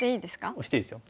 押していいですよ。